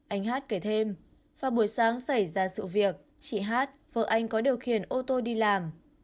anh hát kể thêm vào buổi sáng xảy ra sự việc chị hát vợ anh có điều khiển ô tô đi làm